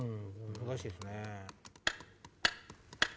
難しいですね。